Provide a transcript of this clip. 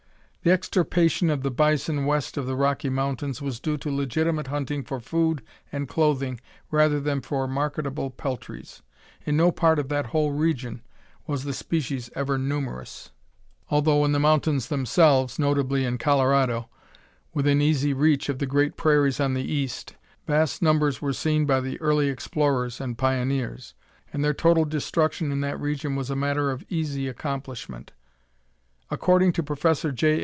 The extirpation of the bison west of the Rocky Mountains was due to legitimate hunting for food and clothing rather than for marketable peltries. In no part of that whole region was the species ever numerous, although in the mountains themselves, notably in Colorado, within easy reach of the great prairies on the east, vast numbers were seen by the early explorers and pioneers. But to the westward, away from the mountains, they were very rarely met with, and their total destruction in that region was a matter of easy accomplishment. According to Prof. J.